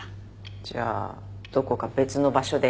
じゃあどこか別の場所で。